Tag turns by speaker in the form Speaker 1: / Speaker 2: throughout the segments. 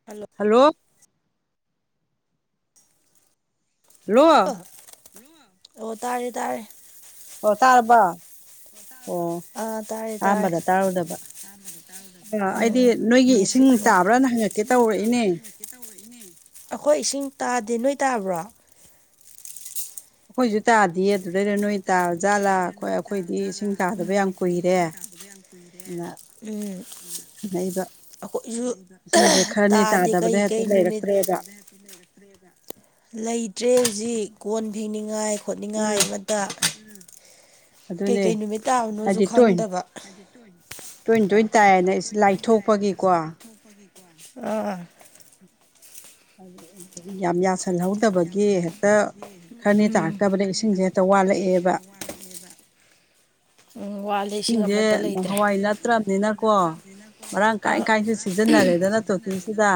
Speaker 1: hello
Speaker 2: hello hello
Speaker 1: ꯑꯣ ꯇꯥꯔꯦ ꯇꯥꯔꯦ
Speaker 2: ꯑꯣ ꯇꯥꯔꯕꯣ ꯑꯣ
Speaker 1: ꯑꯥ ꯇꯥꯔꯦ ꯇꯥꯔꯦ
Speaker 2: ꯑꯍꯥꯟꯕꯗ ꯇꯥꯔꯨꯗꯕ ꯑ ꯑꯩꯗꯤ
Speaker 1: ꯎꯝ
Speaker 2: ꯅꯣꯏꯒꯤ
Speaker 1: ꯅꯦꯠꯁꯦ
Speaker 2: ꯏꯁꯤꯡ
Speaker 1: ꯑꯩꯉꯣꯟꯗ
Speaker 2: ꯇꯥꯕ꯭ꯔꯥꯅ ꯍꯪꯉꯛꯀꯦ ꯇꯧꯔꯛꯏꯅꯦ
Speaker 1: ꯑꯩꯈꯣꯏ ꯏꯁꯤꯡ ꯇꯥꯗꯦ ꯅꯣꯏ ꯇꯥꯕ꯭ꯔꯣ
Speaker 2: ꯑꯩꯈꯣꯏꯁꯨ ꯇꯥꯗꯦ ꯑꯗꯨꯗꯩꯗ ꯅꯣꯏ ꯇꯥꯔ ꯖꯥꯠꯂꯥ ꯑꯩꯈꯣꯏꯗꯤ ꯏꯁꯤꯡ ꯇꯥꯗꯕ ꯌꯥꯝ ꯀꯨꯏꯔꯦ ꯑꯗꯨꯅ
Speaker 1: ꯎꯝ
Speaker 2: ꯍꯪꯉꯛꯏꯕ
Speaker 1: ꯑꯩꯈꯣꯏꯁꯨ
Speaker 2: ꯏꯁꯤꯡꯁꯦ ꯈꯔꯅꯤ
Speaker 1: ꯇꯥꯗꯦ ꯀꯩ
Speaker 2: ꯇꯥꯗꯕꯗ ꯍꯦꯛꯇ
Speaker 1: ꯀꯩ ꯅꯨꯃꯤꯠ
Speaker 2: ꯂꯩꯔꯛꯇ꯭ꯔꯦꯕ
Speaker 1: ꯂꯩꯇ꯭ꯔꯦ ꯍꯧꯖꯤꯛ ꯀꯣꯟ ꯐꯦꯡꯅꯤꯡꯉꯥꯏ ꯈꯣꯠꯅꯤꯡꯉꯥꯏ
Speaker 2: ꯎꯝ
Speaker 1: ꯑꯃꯇ
Speaker 2: ꯑꯗꯨꯅꯦ
Speaker 1: ꯀꯩꯀꯩ ꯅꯨꯃꯤꯠ ꯇꯥꯕꯅꯣꯁꯨ ꯈꯪꯗꯕ
Speaker 2: ꯇꯣꯏꯅ ꯇꯣꯏꯅ ꯇꯥꯏꯅ ꯂꯥꯏꯊꯣꯛꯄꯒꯤꯀꯣ
Speaker 1: ꯑꯥ
Speaker 2: ꯑꯗꯨ ꯌꯥꯝ ꯌꯥꯁꯜꯍꯧ ꯐꯠꯇꯕꯒꯤ ꯍꯦꯛꯇ ꯈꯔꯅꯤ
Speaker 1: ꯎꯝ
Speaker 2: ꯇꯥꯔꯛꯇꯕꯗ ꯏꯁꯤꯡꯁꯦ ꯍꯦꯛꯇ ꯋꯥꯠꯂꯛꯑꯦꯕ
Speaker 1: ꯎꯝ ꯋꯥꯠ
Speaker 2: ꯏꯁꯤꯡꯁꯦ ꯅꯍꯥꯟꯋꯥꯏ ꯅꯠꯇ꯭ꯔꯕꯅꯤꯅꯀꯣ ꯃꯔꯥꯡ ꯀꯥꯏ
Speaker 1: ꯑꯥ
Speaker 2: ꯀꯥꯏꯅꯁꯨ ꯁꯤꯖꯤꯟꯅꯔꯦꯗꯅ ꯇꯣꯇꯤꯁꯤꯗ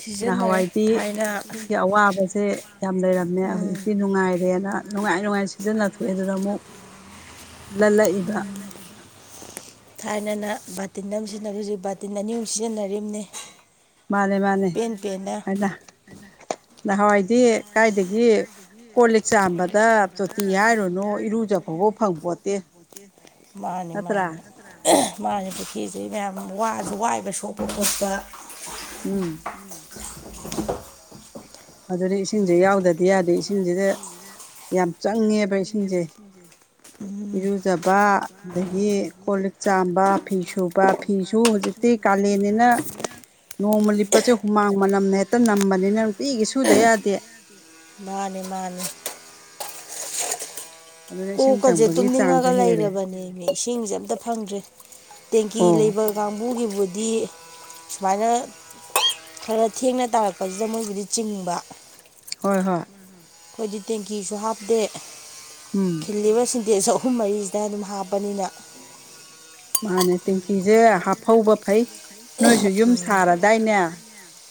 Speaker 1: ꯁꯤꯖꯤꯟꯅꯔꯦ
Speaker 2: ꯅꯍꯥꯟꯋꯥꯏꯗꯤ
Speaker 1: ꯊꯥꯏꯅ
Speaker 2: ꯁꯤꯡ ꯒꯤ ꯑꯋꯥꯕꯁꯦ ꯌꯥꯝ ꯂꯩꯔꯝꯃꯦ
Speaker 1: ꯎꯝ
Speaker 2: ꯍꯧꯖꯤꯛꯇꯤ ꯅꯨꯡꯉꯥꯏꯔꯦꯅ ꯅꯨꯡꯉꯥꯏ ꯅꯨꯡꯉꯥꯏꯅ ꯁꯤꯖꯤꯟꯅꯊꯣꯛꯑꯦ ꯑꯗꯨꯅ ꯑꯃꯨꯛ ꯂꯂꯛ ꯏꯕ
Speaker 1: ꯊꯥꯏꯅꯅ ꯕꯥꯔꯇꯤꯟꯗꯪ ꯁꯤꯖꯤꯟꯅꯕꯗꯨ ꯍꯧꯖꯤꯛ ꯕꯥꯇꯤꯟ ꯑꯅꯤ ꯑꯍꯨꯝ ꯁꯤꯖꯤꯟꯅꯔꯤꯝꯅꯤ
Speaker 2: ꯃꯥꯅꯦ ꯃꯥꯅꯦ
Speaker 1: ꯄꯦꯟ ꯄꯦꯟꯅ
Speaker 2: ꯊꯥꯏꯅ ꯅꯍꯥꯟꯋꯥꯏꯗꯤ ꯀꯥꯏꯗꯒꯤ ꯀꯣ ꯂꯤꯛ ꯆꯥꯝꯕꯗ ꯇꯣꯇꯤ ꯍꯥꯏꯔꯨꯅꯨ ꯏꯔꯨꯖꯐꯧꯕ ꯐꯪꯄꯣꯠꯇꯦ
Speaker 1: ꯃꯥꯅꯤ
Speaker 2: ꯅꯠꯇ꯭ꯔꯥ
Speaker 1: ꯃꯥꯅꯤ ꯃꯥꯅꯤ ꯄꯨꯈ꯭ꯔꯤꯁꯤ ꯃꯌꯥꯝ ꯋꯥꯁꯨ ꯋꯑꯦꯕ ꯁꯣꯛꯄ ꯈꯣꯠꯄ
Speaker 2: ꯎꯝ ꯑꯗꯨꯔꯤ ꯏꯁꯤꯡꯁꯦ ꯌꯥꯎꯗꯗꯤ ꯌꯥꯗꯦ ꯏꯁꯤꯡꯁꯤꯗ ꯌꯥꯝ ꯆꯪꯉꯦꯕ ꯏꯁꯤꯡꯁꯦ ꯏꯔꯨꯖꯕ ꯑꯗꯒꯤ ꯀꯣꯜ ꯂꯤꯛ ꯆꯥꯝꯕ ꯐꯤ ꯁꯨꯕ ꯐꯤꯁꯨ ꯍꯧꯖꯤꯛꯇꯤ ꯀꯥꯂꯦꯟꯅꯤꯅ ꯅꯣꯡꯃ ꯂꯤꯠꯄꯁꯦ ꯍꯨꯃꯥꯡ ꯃꯅꯝꯅ ꯍꯦꯛꯇ ꯅꯝꯕꯅꯤꯅ ꯅꯨꯡꯇꯤꯒꯤ ꯁꯨꯗ ꯌꯥꯗꯦ
Speaker 1: ꯃꯥꯅꯤ ꯃꯥꯅꯤ
Speaker 2: ꯑꯗꯨꯅ ꯏꯁꯤꯡ
Speaker 1: ꯀꯣꯛꯀꯁꯦ
Speaker 2: ꯆꯪꯕꯒꯤ ꯆꯥꯡꯁꯨ
Speaker 1: ꯇꯨꯝꯅꯤꯡꯉꯒ
Speaker 2: ꯍꯦꯜꯂꯦ
Speaker 1: ꯂꯩꯔꯕꯅꯦꯃꯦ ꯏꯁꯤꯡꯁꯦ ꯑꯝꯇ ꯐꯪꯗ꯭ꯔꯦ ꯇꯦꯡꯀꯤ
Speaker 2: ꯑꯣ
Speaker 1: ꯂꯩꯕ ꯌꯥꯝꯕꯨꯡꯒꯤꯕꯨꯗꯤ ꯁꯨꯃꯥꯏꯅ ꯈꯔ ꯊꯦꯡꯅ ꯇꯥꯔꯛꯄꯖꯤꯗ ꯃꯣꯏꯒꯤꯗꯤ ꯆꯤꯡꯕ
Speaker 2: ꯍꯣꯏ ꯍꯣꯏ
Speaker 1: ꯈꯣꯏꯗꯤ ꯇꯦꯡꯀꯤꯁꯨ ꯍꯥꯞꯗꯦ
Speaker 2: ꯎꯝ
Speaker 1: ꯈꯤꯜꯂꯤꯕ ꯁꯤꯟꯇꯦꯁ ꯑꯍꯨꯝ ꯃꯔꯤꯖꯤꯗ ꯑꯗꯨꯝ ꯍꯥꯞꯄꯅꯤꯅ
Speaker 2: ꯃꯥꯅꯦ ꯇꯦꯡꯀꯤꯖꯦ ꯍꯥꯞꯐꯧꯕ ꯐꯩ ꯅꯣꯏꯁꯨ ꯌꯨꯝ ꯁꯥꯔꯗꯥꯏꯅꯦ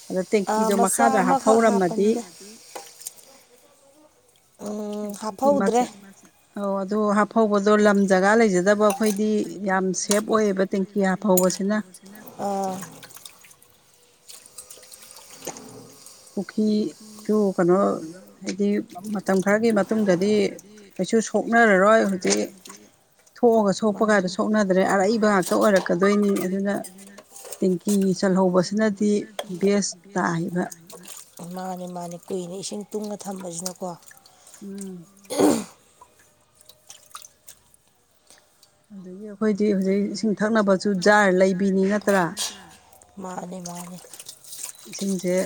Speaker 2: ꯑꯗ ꯇꯦꯡꯀꯤꯗꯣ
Speaker 1: ꯃꯆꯥ
Speaker 2: ꯃꯈꯥꯗ
Speaker 1: ꯑꯃꯈꯛ
Speaker 2: ꯍꯥꯞꯐꯧꯔꯝꯃꯗꯤ
Speaker 1: ꯍꯥꯞꯄꯅꯤꯗ
Speaker 2: ꯏ ꯇꯦꯡꯀꯤ
Speaker 1: ꯍꯥꯞꯐꯧꯗ꯭ꯔꯦ
Speaker 2: ꯃꯆꯥꯠ__ ꯑꯧ ꯑꯗꯣ ꯍꯥꯐꯧꯕꯗꯣ ꯂꯝ ꯖꯒꯥ ꯂꯩꯖꯗꯕ ꯑꯩꯈꯣꯏꯗꯤ ꯌꯥꯝ ꯁꯦꯞ ꯑꯣꯏꯌꯦꯕ ꯇꯦꯡꯀꯤ__ ꯌꯥ ꯐꯧꯕꯁꯤꯅ
Speaker 1: ꯑꯥ
Speaker 2: ꯄꯨꯈꯤꯖꯨ ꯀꯅꯣ ꯍꯥꯏꯗꯤ ꯃꯇꯝ ꯈꯔꯒꯤ ꯃꯇꯨꯡꯗꯗꯤ ꯀꯩꯁꯨ ꯁꯣꯛꯅꯔꯔꯣꯏ ꯍꯨꯖꯤꯛ ꯊꯣꯛꯑꯒ ꯁꯣꯛꯄ ꯀꯥꯗꯣ ꯁꯣꯛꯅꯗ꯭ꯔꯦ ꯑꯔꯩꯕ ꯉꯥꯛꯇ ꯑꯣꯏꯔꯛꯀꯗꯣꯏꯅꯤ ꯑꯗꯨꯅ ꯇꯦꯡꯀꯤ ꯆꯜꯍꯧꯕꯁꯤꯅꯗꯤ ꯕꯦꯁ ꯇꯥꯏꯕ
Speaker 1: ꯃꯥꯅꯦ ꯃꯥꯅꯦ ꯀꯨꯏꯅ ꯏꯁꯤꯡ ꯇꯨꯡꯉ ꯊꯝꯕꯖꯤꯅꯀꯣ
Speaker 2: ꯎꯝ ꯑꯗꯒꯤ ꯑꯩꯈꯣꯏꯗꯤ ꯍꯧꯖꯤꯛ ꯏꯁꯤꯡ ꯊꯛꯅꯕꯁꯨ ꯖꯥꯔ ꯂꯩꯕꯤꯅꯤ ꯅꯠꯇ꯭ꯔꯥ
Speaker 1: ꯃꯥꯅꯦ ꯃꯥꯅꯦ
Speaker 2: ꯏꯁꯤꯡꯖꯦ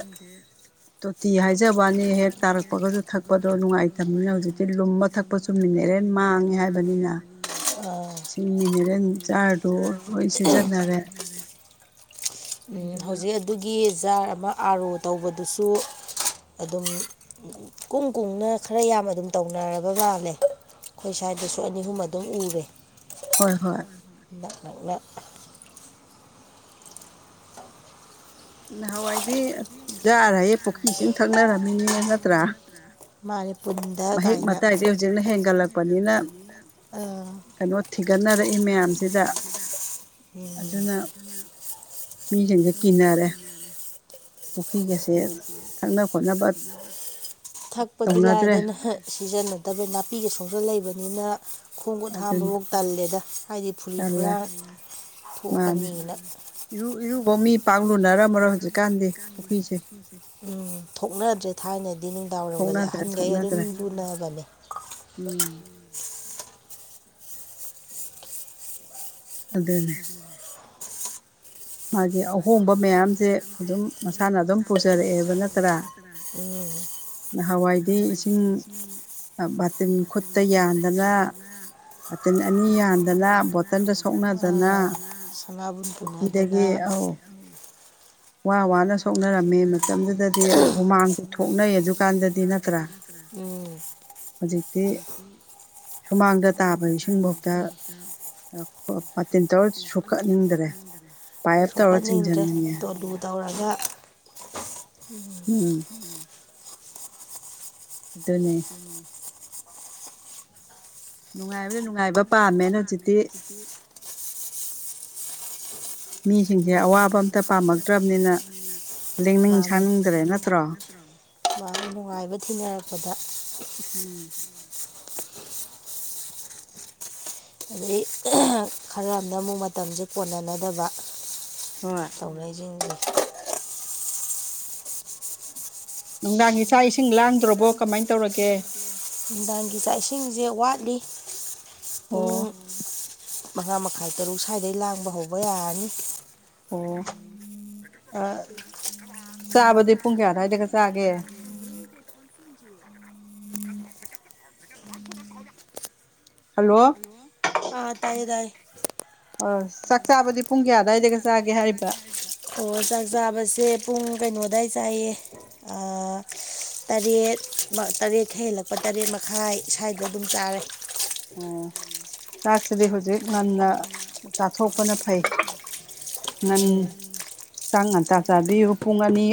Speaker 2: ꯇꯣꯇꯤ ꯍꯥꯏꯖꯕ ꯋꯥꯅꯤ ꯍꯦꯛ ꯇꯥꯔꯛꯄꯒꯖꯨ ꯊꯛꯄꯗꯣ ꯅꯨꯡꯉꯥꯏꯇꯝꯅꯤꯅ ꯍꯧꯖꯤꯛꯇꯤ ꯂꯨꯝꯃ ꯊꯛ__ ꯄꯣꯠꯁꯨ ꯃꯤꯅꯔꯦꯜ ꯃꯥꯡꯉꯦ ꯍꯥꯏꯕꯅꯤꯅ ꯆꯤꯟ ꯃꯤꯟꯅꯦꯔꯦꯟ ꯖꯥꯔꯗꯣ ꯂꯣꯏ ꯁꯤꯖꯥꯟꯅꯔꯦ
Speaker 1: ꯍꯧꯖꯤꯛ ꯑꯗꯨꯒꯤ ꯖꯥꯔ ꯑꯃ ꯑꯥꯔ ꯑꯣ ꯇꯧꯕꯗꯨꯁꯨ ꯑꯗꯨꯝ__ ꯀꯨꯡ ꯀꯨꯡꯅ ꯈꯔ ꯌꯥꯝ ꯑꯗꯨꯝ ꯇꯧꯅꯔꯕ ꯃꯥꯜꯂꯦ ꯈꯣꯏ ꯁ꯭ꯋꯥꯏꯗꯁꯨ ꯑꯅꯤ ꯑꯍꯨꯝ ꯑꯗꯨꯝ ꯎꯔꯦ
Speaker 2: ꯍꯣꯏ ꯍꯣꯏ
Speaker 1: ꯅꯣꯛꯂꯛ
Speaker 2: ꯅꯍꯥꯋꯥꯏꯗꯤ ꯖꯥꯔꯍꯥꯏꯌꯦ ꯄꯨꯈ꯭ꯔꯤ ꯏꯁꯤꯡ ꯊꯛꯅꯔꯃꯤꯅꯤꯅꯦ ꯅꯠꯇ꯭ꯔꯥ
Speaker 1: ꯃꯥꯅꯦ ꯄꯨꯟꯗ
Speaker 2: ꯃꯍꯤꯛ
Speaker 1: ꯀꯥꯏꯅ
Speaker 2: ꯃꯇꯥꯏꯖꯦ ꯍꯧꯖꯤꯛꯅ ꯍꯦꯟꯒꯠꯂꯛꯄꯅꯤꯅ
Speaker 1: ꯑꯥ ꯎꯝ
Speaker 2: ꯀꯩꯅꯣ ꯊꯤꯒꯠꯅꯔꯛꯏ ꯃꯥꯌꯥꯝꯖꯤꯗ ꯑꯗꯨꯅ ꯃꯤꯖꯤꯡꯖꯦ ꯀꯤꯟꯅꯔꯦ ꯄꯨꯈꯤꯒꯁꯦ ꯊꯛꯅ ꯈꯣꯠꯅꯕꯠ
Speaker 1: ꯊꯛꯄꯗꯤ ꯂꯥꯏꯗꯅ ꯍꯥ ꯁꯤꯖꯤꯟꯅꯗꯕꯩ ꯅꯥꯄꯤꯒ ꯁꯣꯡꯖꯟ ꯂꯩꯕꯅꯤꯅ ꯈꯣꯡ ꯒꯨꯠ
Speaker 2: ꯑꯗꯨꯅꯤ
Speaker 1: ꯍꯥꯝꯕꯕꯥꯎ ꯇꯜꯂꯦꯗ ꯍꯥꯏꯗꯤ ꯐꯨꯔꯤ
Speaker 2: ꯇꯜꯂꯦ
Speaker 1: ꯐꯨꯔꯥ
Speaker 2: ꯃꯥꯅꯤ
Speaker 1: ꯊꯣꯛꯀꯅꯤꯅ
Speaker 2: ꯏꯔꯨ ꯏꯔꯨꯕꯥꯎ ꯃꯤ ꯄꯥꯛ ꯂꯨꯅꯔꯝꯃꯔꯣꯏ ꯍꯧꯖꯤꯛꯀꯥꯟꯗꯤ ꯄꯨꯈꯤꯁꯦ
Speaker 1: ꯎꯝ ꯊꯣꯛꯅꯗ꯭ꯔꯦ ꯊꯥꯏꯅꯗꯤ ꯅꯨꯡꯗꯥꯡ ꯋꯥꯏꯔꯝꯒꯖꯦ
Speaker 2: ꯊꯣꯛꯅꯗ꯭ꯔꯦ
Speaker 1: ꯑꯍꯟꯒꯩ ꯑꯗꯨꯝ
Speaker 2: ꯊꯣꯛꯅꯗ꯭ꯔꯦ
Speaker 1: ꯂꯨꯅꯕꯅꯦ
Speaker 2: ꯎꯝ ꯑꯗꯨꯅꯦ ꯃꯥꯒꯤ ꯑꯍꯣꯡꯕ ꯃꯌꯥꯝꯖꯦ ꯑꯗꯨꯝ ꯃꯁꯥꯅ ꯑꯗꯨꯝ ꯄꯨꯖꯔꯛꯑꯦꯕ ꯅꯠꯇ꯭ꯔꯥ
Speaker 1: ꯎꯝ
Speaker 2: ꯅꯍꯥꯋꯥꯏꯗꯤ ꯏꯁꯤꯡ ꯑꯥ ꯕꯥꯇꯤꯟ ꯈꯨꯠꯇ ꯌꯥꯟꯗꯅ ꯑꯠꯇꯤꯟ ꯑꯅꯤ ꯌꯥꯟꯗꯅ ꯕꯣꯇꯟꯗ ꯁꯣꯛꯅꯗꯅ
Speaker 1: ꯁꯅꯥꯕꯨꯨꯟ ꯄꯨꯟꯅꯗꯅ
Speaker 2: ꯄꯨꯈ꯭ꯔꯤꯗꯒꯤ ꯑꯧ ꯋꯥ ꯋꯥꯅ
Speaker 1: ꯃꯥ ꯃꯥꯅ
Speaker 2: ꯁꯣꯛꯅꯔꯝꯃꯤ
Speaker 1: ꯁꯣꯛꯅꯔꯅꯤ
Speaker 2: ꯃꯇꯝꯗꯨꯗꯗꯤ ꯍꯨꯃꯥꯡꯁꯨ ꯊꯣꯛꯅꯩ
Speaker 1: ꯁꯅꯩ
Speaker 2: ꯑꯗꯨꯀꯥꯟꯗꯗꯤ ꯅꯠꯇ꯭ꯔꯥ
Speaker 1: ꯗꯨꯀꯥꯟꯗꯁꯨ [unintelligible] [unintelligible] [unintelligible] ꯎꯝ
Speaker 2: ꯍꯧꯖꯤꯛꯇꯤ
Speaker 1: [unintelligible] [unintelligible]
Speaker 2: ꯁꯨꯃꯥꯡꯗ ꯇꯥꯕ ꯏꯁꯤꯡꯐꯥꯎꯗ ꯄꯥꯇꯤꯟ ꯇꯧꯔ ꯁꯣꯛꯀꯠꯅꯤꯡꯗ꯭ꯔꯦ ꯄꯥꯏꯞ ꯇꯧꯔ
Speaker 1: ꯁꯣꯛꯀꯟꯅꯤꯡꯗ꯭ꯔꯦ
Speaker 2: ꯆꯤꯡꯁꯤꯟꯅꯤꯡꯉꯦ
Speaker 1: ꯇꯣꯂꯨ ꯇꯧꯔꯒ ꯎꯝ ꯎꯝ
Speaker 2: ꯑꯗꯨꯅꯤ ꯅꯨꯡꯉꯥꯏꯕꯅ ꯅꯨꯡꯉꯥꯏꯕ ꯄꯥꯝꯃꯦꯅ ꯍꯧꯖꯤꯛꯇꯤ
Speaker 1: [unintelligible] [inaudible] [inaudible]
Speaker 2: ꯃꯤꯁꯤꯡꯁꯦ ꯑꯋꯥꯕ ꯑꯝꯇ ꯄꯥꯝꯂꯛꯇ꯭ꯔꯕꯅꯤꯅ
Speaker 1: ꯃꯥꯅꯤ ꯃꯥꯅꯤ ꯅꯨꯡꯉꯥꯏꯕ ꯊꯤꯅꯔꯛꯄꯗ
Speaker 2: ꯎꯝ
Speaker 1: ꯑꯗꯩ ꯈꯔ ꯑꯃꯅ ꯑꯃꯨꯛ ꯃꯇꯝꯁꯦ ꯀꯣꯟꯅꯅꯗꯕ
Speaker 2: ꯍꯣꯏ
Speaker 1: ꯇꯧꯅꯩꯁꯤꯡꯁꯦ
Speaker 2: ꯅꯨꯡꯗꯥꯡꯒꯤ ꯆꯥꯛ ꯏꯁꯤꯡ ꯂꯥꯡꯗ꯭ꯔꯥꯕꯣ ꯀꯃꯥꯏꯅ ꯇꯧꯔꯒꯦ
Speaker 1: ꯅꯨꯡꯗꯥꯡꯒꯤ ꯆꯥꯛ ꯏꯁꯤꯡꯁꯦ ꯋꯥꯠꯂꯤ ꯄꯨꯡ
Speaker 2: ꯑꯣ
Speaker 1: ꯃꯉꯥ ꯃꯈꯥꯏ ꯇꯔꯨꯛ ꯁ꯭ꯋꯥꯏꯗꯩ ꯂꯥꯡꯕ ꯍꯧꯕ ꯌꯥꯔꯅꯤ
Speaker 2: ꯑꯣ ꯑꯥ ꯆꯥꯕꯗꯤ ꯄꯨꯡ ꯀꯌꯥ ꯑꯗꯨꯋꯥꯏꯗꯒ ꯆꯥꯒꯦ ꯍꯜꯂꯣ
Speaker 1: ꯑꯥ ꯇꯥꯏꯌꯦ ꯇꯥꯏꯌꯦ
Speaker 2: ꯑ ꯆꯥꯛ ꯆꯥꯕꯗꯤ ꯄꯨꯡ ꯀꯌꯥ ꯑꯗꯨꯋꯥꯏꯗꯒ ꯆꯥꯒꯦ ꯍꯥꯏꯔꯤꯕ
Speaker 1: ꯑꯣ ꯆꯥꯛ ꯆꯥꯕꯁꯦ ꯄꯨꯡ ꯀꯩꯅꯣꯗꯥꯏ ꯆꯥꯏꯌꯦ ꯑꯥ ꯇꯔꯦꯠ ꯇꯔꯦꯠ ꯈꯔ ꯍꯦꯜꯂꯛꯄ ꯇꯔꯦꯠ ꯃꯈꯥꯏ ꯁꯨꯋꯥꯏꯗ ꯑꯗꯨꯝ ꯆꯥꯔꯦ
Speaker 2: ꯑꯣ ꯆꯥꯛꯁꯤꯗꯤ ꯍꯧꯖꯤꯛ ꯉꯟꯅ ꯆꯥꯊꯣꯛꯄꯅ ꯐꯩ ꯉꯟ
Speaker 1: ꯎꯝ
Speaker 2: ꯆꯥꯛ ꯉꯟꯇꯥ ꯆꯥꯕꯤꯌꯨ ꯄꯨꯡ ꯑꯅꯤ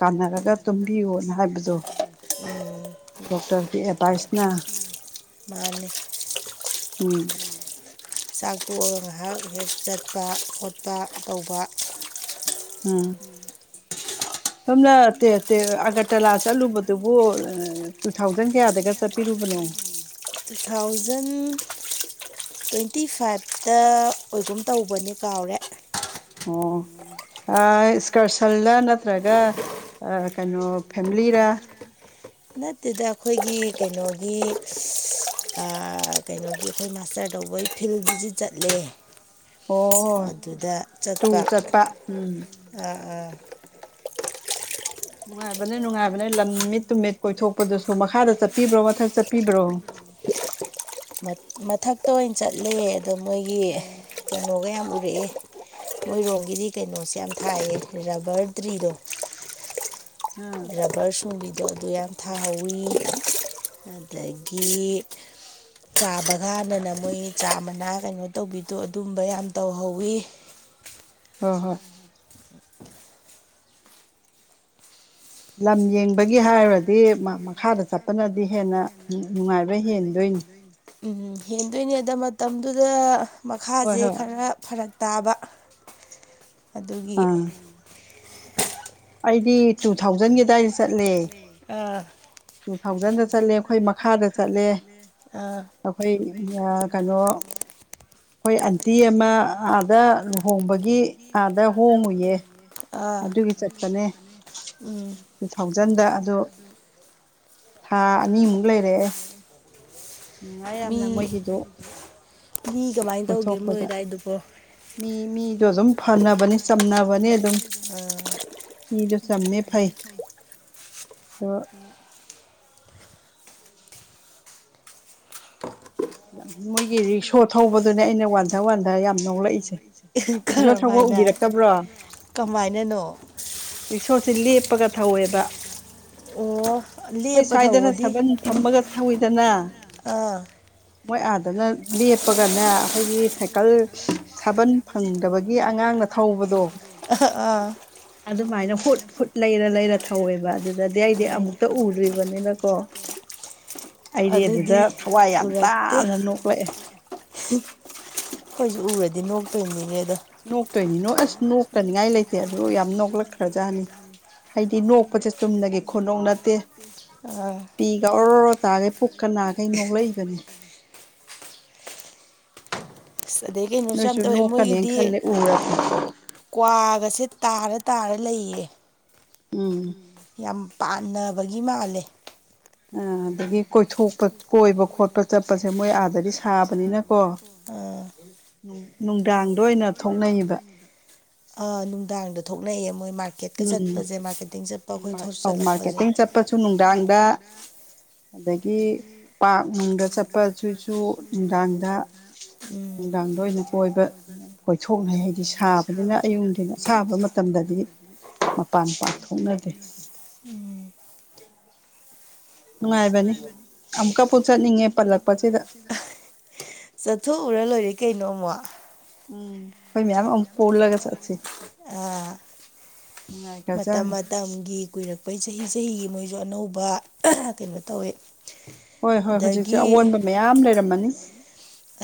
Speaker 2: ꯀꯥꯟꯅꯔꯒ ꯇꯨꯝꯕꯤꯌꯣꯅ ꯍꯥꯏꯕꯗꯨ
Speaker 1: ꯎꯝ
Speaker 2: ꯗꯣꯛꯇꯥꯔꯒꯤ ꯑꯦꯗꯚꯥꯏꯁꯅ
Speaker 1: ꯃꯥꯅꯤ
Speaker 2: ꯎꯝ
Speaker 1: ꯆꯥꯛ ꯇꯣꯛꯑꯒ ꯉꯥꯏꯍꯥꯛ ꯍꯦꯛ ꯆꯠꯄ ꯈꯣꯠꯄ ꯇꯧꯕ
Speaker 2: ꯎꯝ
Speaker 1: ꯎꯝ
Speaker 2: ꯁꯣꯝꯅ ꯇꯦ ꯇꯦ ꯑꯒꯥꯔꯇꯂꯥ ꯆꯠꯂꯨꯕꯗꯨꯕꯨ ꯇꯨ ꯊꯥꯎꯖꯟ ꯀꯌꯥꯗꯒ ꯆꯠꯄꯤꯔꯨꯕꯅꯣ
Speaker 1: ꯇꯨ ꯊꯥꯎꯖꯟ ꯇ꯭ꯋꯦꯟꯇꯤ ꯐꯥꯏꯚꯇ ꯑꯣꯏꯒꯨꯝ ꯇꯧꯕꯅꯦ ꯀꯥꯎꯔꯦ ꯎꯝ
Speaker 2: ꯏꯁ꯭ꯀꯥꯔꯁꯜꯗ ꯅꯠꯇ꯭ꯔꯒ ꯀꯩꯅꯣ ꯐꯦꯂꯤꯔ
Speaker 1: ꯅꯠꯇꯦꯗ ꯑꯩꯈꯣꯏꯒꯤ ꯀꯩꯅꯣꯒꯤ ꯑꯥ ꯀꯩꯅꯣꯒꯤ ꯑꯩꯈꯣꯏ ꯃꯥꯁꯇꯥꯔ ꯇꯧꯕꯩ ꯐꯤꯜ ꯕꯤꯖꯤꯠ ꯆꯠꯂꯦ
Speaker 2: ꯑꯣ
Speaker 1: ꯑꯗꯨꯗ
Speaker 2: ꯇꯨꯔ ꯆꯠꯄ ꯎꯝ
Speaker 1: ꯑꯥ ꯑꯥ
Speaker 2: ꯅꯨꯡꯉꯥꯏꯕꯅꯦ ꯅꯨꯡꯉꯥꯏꯕꯅꯦ ꯂꯝ ꯃꯤꯠ ꯇꯨꯃꯤꯠ ꯀꯣꯏꯊꯣꯛꯄꯗꯨꯁꯨ ꯃꯈꯥꯗ ꯆꯠꯄꯤꯕ꯭ꯔꯣ ꯃꯊꯛ ꯆꯠꯄꯤꯕ꯭ꯔꯣ
Speaker 1: ꯃꯊꯛꯇ ꯑꯣꯏꯅ ꯆꯠꯂꯦ ꯑꯗꯣ ꯃꯣꯏꯒꯤ
Speaker 2: ꯑꯣ
Speaker 1: ꯀꯩꯅꯣꯒ ꯌꯥꯝ ꯎꯔꯛꯑꯦ ꯃꯣꯏꯔꯣꯝꯒꯤꯗꯤ ꯀꯩꯅꯣꯁꯦ ꯌꯥꯝ ꯊꯥꯏꯌꯦ ꯔꯕꯥꯔ ꯇ꯭ꯔꯤꯗꯣ
Speaker 2: ꯑꯥ
Speaker 1: ꯔꯕꯥꯔ ꯁꯨꯝꯕꯤꯗꯣ ꯑꯗꯨ ꯌꯥꯝ ꯊꯍꯥꯎꯋꯤ ꯑꯗꯒꯤ ꯆꯥꯕ ꯀꯥꯟꯗꯅ ꯃꯣꯏꯒꯤ ꯆꯥ ꯃꯅꯥ ꯀꯩꯅꯣ ꯇꯧꯕꯤꯗꯣ ꯑꯗꯨꯝꯕ ꯌꯥꯝ ꯇꯧꯍꯧꯋꯤ
Speaker 2: ꯍꯣꯏ ꯍꯣꯏ ꯂꯝ ꯌꯦꯡꯕꯒꯤ ꯍꯥꯏꯔꯨꯔꯗꯤ ꯃꯈꯥꯗ ꯆꯠꯄꯅꯗꯤ ꯍꯦꯟꯅ ꯅꯨꯡꯉꯥꯏꯕ ꯍꯦꯟꯗꯣꯏꯅꯤ
Speaker 1: ꯍꯦꯟꯗꯣꯏꯅꯤ ꯑꯗ ꯃꯇꯝꯗꯨꯗ
Speaker 2: ꯍꯣꯏ
Speaker 1: ꯃꯈꯥꯁꯦ
Speaker 2: ꯍꯣꯏ
Speaker 1: ꯈꯔ ꯐꯔꯛ ꯇꯥꯕ ꯑꯗꯨꯒꯤ
Speaker 2: ꯑꯥ ꯑꯩꯗꯤ ꯇꯨ ꯊꯥꯎꯖꯟꯒꯤ ꯑꯗꯥꯏꯗ ꯆꯠꯂꯦ
Speaker 1: ꯑꯥ
Speaker 2: ꯇꯨ ꯊꯥꯎꯖꯟꯗ ꯆꯠꯂꯦ ꯑꯩꯈꯣꯏ ꯃꯈꯥꯗ ꯆꯠꯂꯦ
Speaker 1: ꯑꯥ
Speaker 2: ꯑꯩꯈꯣꯏ ꯑꯥꯀꯩꯅꯣ ꯑꯩꯈꯣꯏ ꯑꯟꯇꯤ ꯑꯃ ꯑꯥꯗ ꯂꯨꯍꯣꯡꯕꯒꯤ ꯑꯥꯗ ꯍꯣꯡꯉꯨꯏꯌꯦ
Speaker 1: ꯑꯥ
Speaker 2: ꯑꯗꯨꯒꯤ ꯆꯠꯄꯅꯦ
Speaker 1: ꯎꯝ
Speaker 2: ꯇꯨ ꯊꯥꯎꯖꯟꯗ ꯑꯗꯣ ꯊꯥ ꯑꯅꯤꯃꯨꯛ ꯂꯩꯔꯛꯑꯦ ꯅꯨꯡꯉꯥꯏ
Speaker 1: ꯃꯤ
Speaker 2: ꯌꯥꯝꯅ ꯃꯣꯏꯒꯤꯗꯣ
Speaker 1: ꯃꯤ ꯀꯃꯥꯏꯅ ꯇꯧꯒꯦ ꯃꯣꯏ
Speaker 2: ꯀꯣꯏꯊꯣꯛꯄꯗ
Speaker 1: ꯑꯗꯏꯗꯨꯕꯣ
Speaker 2: ꯃꯤ ꯃꯤꯗꯣ ꯑꯗꯨꯝ ꯐꯅꯕꯅꯤ ꯆꯝꯅꯕꯅꯤ ꯑꯗꯨꯝ ꯃꯤꯗꯣ ꯆꯝꯃꯦ ꯐꯩ ꯑꯗꯣ ꯃꯣꯏꯒꯤ ꯔꯤꯛꯁꯣ ꯊꯧꯕꯗꯨꯅꯦ ꯑꯩꯅ ꯋꯥꯟꯊ ꯋꯥꯟꯊ ꯌꯥꯝ ꯅꯣꯛꯂꯛꯏꯁꯦ
Speaker 1: ꯑꯦ
Speaker 2: ꯔꯤꯛꯁꯣ ꯊꯧꯕ
Speaker 1: ꯀꯔꯝꯍꯥꯏꯅ
Speaker 2: ꯎꯕꯤꯔꯛꯇꯕ꯭ꯔꯣ
Speaker 1: ꯀꯃꯥꯏꯅꯅꯣ
Speaker 2: ꯔꯤꯛꯁꯣꯁꯦ ꯂꯦꯞꯄꯒ ꯊꯧꯋꯦꯕ
Speaker 1: ꯑꯣ
Speaker 2: ꯑꯩꯈꯣꯏ
Speaker 1: ꯂꯦꯞꯄ
Speaker 2: ꯁ꯭ꯋꯥꯏꯗꯅ
Speaker 1: ꯊꯧꯕꯗꯤ
Speaker 2: ꯁꯥꯕꯜ ꯐꯝꯃꯒ ꯊꯧꯋꯤꯗꯅ
Speaker 1: ꯑꯥ
Speaker 2: ꯃꯣꯏ ꯑꯥꯗꯅ ꯂꯦꯞꯄꯒꯅꯦ ꯑꯩꯈꯣꯏꯒꯤ ꯁꯥꯏꯀꯜ ꯁꯥꯕꯜ ꯐꯪꯗꯕꯒꯤ ꯑꯉꯥꯡꯅ ꯊꯧꯕꯗꯣ
Speaker 1: ꯑꯥꯍ ꯑꯥ
Speaker 2: ꯑꯗꯨꯃꯥꯏꯅ ꯍꯨꯠ ꯍꯨꯠ ꯂꯩꯔ ꯂꯩꯔ ꯊꯧꯋꯦꯕ ꯑꯗꯨꯗꯗꯤ ꯑꯩꯗꯤ
Speaker 1: ꯎꯝ
Speaker 2: ꯑꯃꯨꯛꯇ ꯎꯗ꯭ꯔꯤꯕꯅꯤꯅꯀꯣ ꯑꯩꯗꯤ
Speaker 1: ꯑꯗꯨꯗꯤ
Speaker 2: ꯑꯗꯨꯗ ꯊꯋꯥꯏ ꯌꯥꯝ ꯇꯥꯅ ꯅꯣꯛꯂꯛꯑꯦ
Speaker 1: ꯑꯩꯈꯣꯢꯁꯨ ꯎꯔꯗꯤ ꯅꯣꯛꯇꯣꯏꯅꯤꯅꯦ ꯑꯗꯣ
Speaker 2: ꯅꯣꯛꯇꯣꯏꯅꯤ ꯅꯣ ꯑꯁ ꯅꯣꯛꯇꯅꯤꯡꯉꯥꯏ ꯂꯩꯇꯦ ꯑꯗꯨ ꯌꯥꯝ ꯅꯣꯛꯂꯛꯈ꯭ꯔꯖꯥꯠꯅꯤ ꯍꯥꯏꯗꯤ ꯅꯣꯛꯄꯁꯦ ꯆꯨꯝꯅꯒꯤ ꯈꯨꯅꯣꯛ ꯅꯠꯇꯦ
Speaker 1: ꯑꯥ
Speaker 2: ꯄꯤꯒ ꯑꯣꯔꯣ ꯑꯣꯔꯣ ꯇꯥꯈꯩ ꯄꯨꯛꯀ ꯅꯥꯈꯩ ꯅꯣꯛꯂꯛꯏꯕꯅꯤ
Speaker 1: ꯑꯗꯩ ꯀꯩꯅꯣꯁꯨ ꯌꯥꯝ
Speaker 2: ꯅꯣꯏꯁꯨ
Speaker 1: ꯇꯧꯋꯦ
Speaker 2: ꯅꯣꯛꯀꯅꯦꯅ
Speaker 1: ꯃꯣꯏꯒꯤꯗꯤ
Speaker 2: ꯈꯜꯂꯦ ꯎꯔꯗꯤ
Speaker 1: ꯀ꯭ꯋꯥꯒꯁꯦ ꯇꯥꯔ ꯇꯥꯔ ꯂꯩꯌꯦ
Speaker 2: ꯎꯝ
Speaker 1: ꯌꯥꯝ ꯄꯥꯟꯅꯕꯒꯤ ꯃꯥꯜꯂꯦ
Speaker 2: ꯑ ꯑꯗꯒꯤ ꯀꯣꯏꯊꯣꯛꯄ ꯀꯣꯏꯕ ꯈꯣꯠꯄ ꯆꯠꯄꯁꯦ ꯃꯣꯏ ꯑꯥꯗꯗꯤ ꯁꯥꯕꯅꯤꯅꯀꯣ
Speaker 1: ꯑ
Speaker 2: ꯅꯨꯡꯗꯥꯡꯗ ꯑꯣꯏꯅ ꯊꯣꯛꯅꯩꯌꯦꯕ
Speaker 1: ꯑꯥꯅꯨꯡꯗꯥꯡꯗ ꯊꯣꯛꯅꯩꯑꯦ ꯃꯣꯏ ꯃꯥꯔꯀꯦꯠꯀ
Speaker 2: ꯎꯝ
Speaker 1: ꯆꯠꯄꯁꯦ ꯃꯥꯔꯀꯦꯠꯇꯤꯡ ꯆꯠꯄ ꯑꯩꯈꯣꯏꯅ
Speaker 2: ꯑꯧ
Speaker 1: ꯆꯜꯂꯛꯄꯁꯦ
Speaker 2: ꯃꯥꯔꯀꯦꯇꯤꯡ ꯆꯠꯄꯁꯨ ꯅꯨꯡꯗꯥꯡꯗ ꯑꯗꯒꯤ ꯄꯥꯛ ꯅꯨꯡꯗ ꯆꯠꯄ ꯁꯤꯁꯨ ꯅꯨꯡꯗꯥꯡꯗ
Speaker 1: ꯎꯝ
Speaker 2: ꯅꯨꯡꯗꯥꯡꯗ ꯑꯣꯏꯅ ꯀꯣꯏꯕ ꯀꯣꯏꯊꯣꯛꯅꯩ ꯍꯥꯏꯗꯤ ꯁꯥꯕꯅꯤꯅ ꯑꯌꯨꯛ ꯅꯨꯡꯊꯤꯟ ꯑꯁꯥꯕ ꯃꯇꯝꯗꯗꯤ ꯃꯄꯥꯟ ꯄꯥꯛ ꯊꯣꯛꯅꯗꯦ
Speaker 1: ꯎꯝ
Speaker 2: ꯅꯨꯡꯉꯥꯏꯕꯅꯤ ꯑꯃꯨꯛꯀꯄꯨ ꯆꯠꯅꯤꯡꯉꯦ ꯄꯜꯂꯛꯄꯁꯤꯗ
Speaker 1: ꯆꯠꯊꯣꯛꯎꯔ ꯂꯣꯏꯔꯦ ꯀꯩꯅꯣ ꯑꯃꯨꯛ
Speaker 2: ꯎꯝ ꯑꯩꯈꯣꯏ ꯃꯌꯥꯝ ꯑꯃꯨꯛ ꯄꯨꯜꯂꯒ ꯆꯠꯁꯤ
Speaker 1: ꯑꯥ ꯃꯇꯝ
Speaker 2: ꯅꯨꯡꯉꯥꯏꯈ꯭ꯔꯖꯥꯠꯅꯤ
Speaker 1: ꯃꯇꯝꯒꯤ ꯀꯨꯏꯔꯛꯄꯩ ꯆꯍꯤ ꯆꯍꯤꯒꯤ ꯃꯣꯏꯖꯨ ꯑꯅꯧꯕ ꯀꯩꯅꯣ ꯇꯧꯋꯤ
Speaker 2: ꯍꯣꯏ ꯍꯣꯏ ꯍꯧꯖꯤꯛꯁꯦ ꯑꯑꯣꯟꯕ ꯃꯌꯥꯝ ꯂꯩꯔꯝꯃꯅꯤ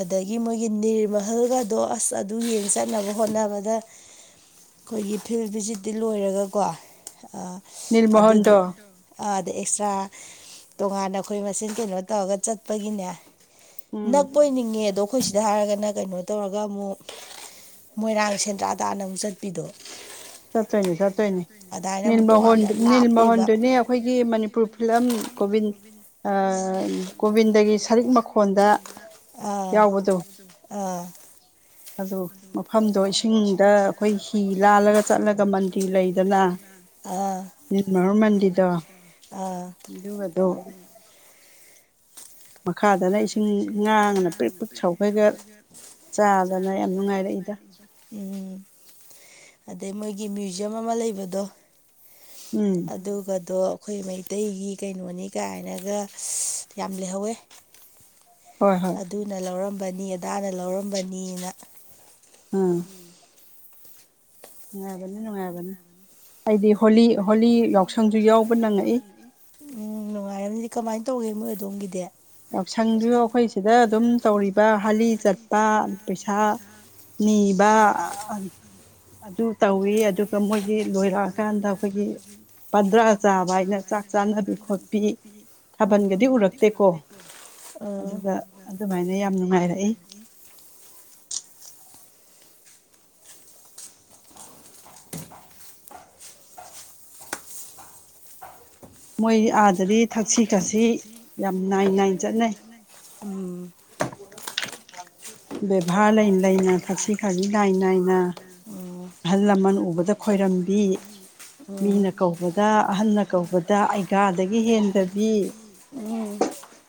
Speaker 1: ꯑꯗꯒꯤ ꯃꯣꯏꯒꯤ ꯅꯤꯔꯃꯍꯜꯒꯥꯗꯣ ꯑꯁ ꯑꯗꯨ ꯌꯦꯡ ꯆꯠꯅꯕ ꯍꯣꯠꯅꯕꯗ ꯑꯈꯣꯏꯒꯤ ꯐꯤꯜ ꯚꯤꯖꯤꯠꯇꯤ ꯂꯣꯏꯔꯒꯀꯣ ꯑ ꯑꯗꯨꯗ
Speaker 2: ꯅꯤꯜꯃꯣꯍꯟꯗꯣ
Speaker 1: ꯑꯥꯗ ꯑꯦꯛꯁꯇ꯭ꯔꯥ ꯇꯣꯉꯥꯟꯅ ꯑꯈꯣꯏ ꯃꯁꯦꯟ ꯀꯩꯅꯣ ꯇꯧꯔꯒ ꯆꯠꯄꯒꯤꯅꯦ
Speaker 2: ꯎꯝ
Speaker 1: ꯅꯛ ꯉꯦ ꯑꯗꯣ ꯑꯈꯣꯏ ꯁꯤꯗ ꯍꯥꯏꯔꯒꯅ ꯀꯩꯅꯣ ꯇꯧꯔꯒ ꯑꯃꯨꯛ ꯃꯣꯏꯔꯥꯡ ꯁꯦꯟꯗ꯭ꯔꯥ ꯇꯥꯟꯅ ꯑꯃꯨꯛ ꯆꯠꯄꯤꯗꯣ
Speaker 2: ꯆꯠꯇꯣꯏꯅꯤ ꯆꯠꯇꯣꯏꯅꯤ
Speaker 1: ꯑꯗꯥꯏꯅ ꯑꯃꯨꯛ ꯇꯣꯉꯥꯟꯅ
Speaker 2: ꯅꯤꯜꯃꯍꯣꯟꯗꯨ
Speaker 1: ꯂꯥꯞꯄꯦꯕ
Speaker 2: ꯅꯤꯜꯃꯍꯣꯟꯗꯨꯅꯦ ꯑꯈꯣꯏꯒꯤ ꯃꯅꯤ ꯄꯨꯔ ꯐꯤꯂꯝ ꯀꯣꯕꯤꯟ ꯑ ꯒꯣꯕꯤꯟꯗꯒꯤ ꯁꯔꯤꯛ ꯃꯈꯣꯟꯗ
Speaker 1: ꯑꯥ
Speaker 2: ꯌꯥꯎꯕꯗꯣ
Speaker 1: ꯑꯥ
Speaker 2: ꯑꯗꯨ ꯃꯐꯝꯗꯣ ꯑꯩꯁꯨ ꯍꯤꯡꯗ ꯑꯈꯣꯏ ꯍꯤ ꯂꯥꯜꯂꯒ ꯆꯠꯂꯒ ꯃꯟꯗꯤꯔ ꯂꯩꯗꯅꯥ
Speaker 1: ꯑꯥ
Speaker 2: ꯅꯤꯔꯃꯍꯣꯜ ꯃꯟꯗꯤꯗꯣ
Speaker 1: ꯑꯥ
Speaker 2: ꯑꯗꯨꯒꯗꯣ ꯃꯈꯥꯗꯅ ꯏꯁꯤꯡ ꯉꯥꯡꯉꯅ ꯄ꯭ꯔꯤꯛ ꯄꯤꯛ ꯁꯧꯒꯩꯒꯥ ꯆꯥꯕ ꯗꯅ ꯌꯥꯝ ꯅꯨꯡꯉꯥꯏꯔꯛꯏꯗꯥ
Speaker 1: ꯎꯝ ꯑꯗꯩ ꯃꯣꯏꯒꯤ ꯃ꯭ꯌꯨꯖꯝ ꯑꯃ ꯂꯩꯕꯗꯣ
Speaker 2: ꯎꯝ
Speaker 1: ꯑꯗꯨꯒꯗꯣ ꯑꯈꯣꯏ ꯃꯩꯇꯩꯒꯤ ꯀꯩꯅꯣꯅꯤ ꯀꯥꯏꯅꯒ ꯌꯥꯝ ꯂꯩꯍꯧꯋꯦ
Speaker 2: ꯍꯣꯏ ꯍꯣꯏ
Speaker 1: ꯗꯨꯅ ꯂꯧꯔꯝꯕꯅꯤ ꯑꯗꯥꯅ ꯂꯧꯔꯝꯕꯅꯤꯅꯥ
Speaker 2: ꯑꯥ ꯅꯨꯡꯉꯥꯏꯕꯅꯤ ꯅꯨꯡꯉꯥꯏꯕꯅꯤ ꯑꯩꯗꯤ ꯍꯣꯂꯤ ꯍꯣꯂꯤ ꯌꯥꯎꯁꯪꯁꯨ ꯌꯥꯎꯕ ꯅꯪꯉꯛꯏ
Speaker 1: ꯑꯗꯨꯗꯤ ꯀꯃꯥꯏꯟ ꯇꯧꯋꯤ ꯃꯣꯏ ꯑꯗꯣꯝꯒꯤꯗꯤ
Speaker 2: ꯌꯥꯎꯁꯪꯖꯨ ꯑꯈꯣꯏ ꯁꯤꯗ ꯑꯗꯨꯝ ꯇꯧꯔꯤꯕ ꯍꯂꯤ ꯆꯠꯄ ꯄꯩꯁꯥ ꯅꯤꯕꯥ ꯑ ꯑ ꯑ ꯑꯗꯨ ꯇꯧꯋꯤ ꯑꯗꯨꯒ ꯃꯣꯏꯒꯤ ꯂꯣꯏꯔꯛꯑꯀꯥꯟꯗ ꯑꯈꯣꯏꯒꯤ ꯄꯟꯗ꯭ꯔꯥ ꯆꯥꯕ ꯍꯥꯏꯅ ꯆꯥꯛ ꯆꯥꯅꯕꯤ ꯈꯣꯠꯄꯤ
Speaker 1: ꯎꯝ
Speaker 2: ꯊꯥꯕꯜꯒꯗꯤ ꯎꯔꯛꯇꯦꯀꯣ
Speaker 1: ꯑꯥ
Speaker 2: ꯑꯗꯨꯒ ꯑꯗꯨꯃꯥꯏꯅ ꯌꯥꯝ ꯅꯨꯡꯉꯥꯏꯔꯛꯏ ꯃꯣꯏ ꯑꯥꯗꯗꯤ ꯊꯛꯁꯤ ꯈꯥꯁꯤ ꯌꯥꯝ ꯅꯥꯏ ꯅꯥꯏꯟ ꯆꯠꯅꯩ
Speaker 1: ꯎꯝ
Speaker 2: [unintelligible] ꯕꯦꯕꯥꯔ ꯂꯩ ꯂꯩꯅ ꯊꯛꯁꯤ ꯈꯥꯁꯤ ꯅꯥꯏ ꯅꯥꯏꯅ
Speaker 1: ꯎꯝ
Speaker 2: ꯑꯍꯜ ꯂꯃꯟ ꯎꯕꯗ ꯈꯣꯏꯔꯝꯕꯤ
Speaker 1: ꯎꯝ
Speaker 2: ꯃꯤꯅ ꯀꯧꯕꯗ ꯑꯍꯟꯅ ꯀꯧꯕꯗ ꯑꯩꯒꯥꯗꯒꯤ ꯍꯦꯟꯗꯕꯤ
Speaker 1: ꯎꯝ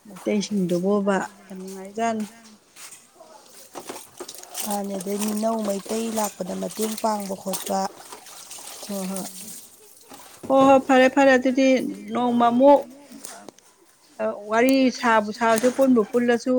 Speaker 2: ꯃꯩꯇꯩꯁꯤꯡꯗꯨꯕꯣꯕ ꯌꯥꯝ ꯅꯨꯡꯉꯥꯏꯖꯥꯅꯤ
Speaker 1: ꯃꯥꯅꯦ ꯑꯗꯩ ꯃꯤꯅꯧ ꯃꯩꯇꯩ ꯂꯥꯛꯄꯗ ꯃꯇꯦꯡ ꯄꯥꯡꯕ ꯈꯣꯠꯄ
Speaker 2: ꯍꯣ ꯍꯣꯏ ꯍꯣ ꯍꯣꯏ ꯐꯔꯦ ꯐꯔꯦ ꯑꯗꯨꯗꯤ ꯅꯣꯡꯃꯃꯨꯛ ꯑ ꯋꯥꯔꯤ ꯁꯥꯕꯨ ꯁꯥꯔꯁꯨ ꯄꯨꯟꯕꯨ ꯄꯨꯜꯂꯁꯨ